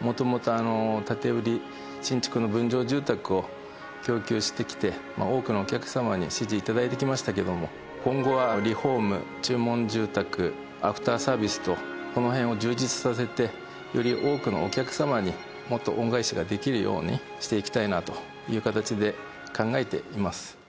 元々建売新築の分譲住宅を供給してきて多くのお客様に支持頂いてきましたけども今後はリフォーム注文住宅アフターサービスとこの辺を充実させてより多くのお客様にもっと恩返しができるようにしていきたいなという形で考えています。